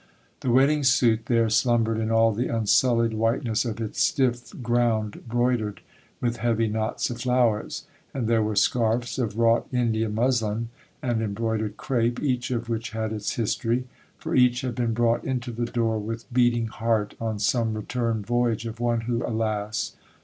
The wedding suit there slumbered in all the unsullied whiteness of its stiff ground broidered with heavy knots of flowers; and there were scarfs of wrought India muslin and embroidered crape, each of which had its history,—for each had been brought into the door with beating heart on some return voyage of one who, alas!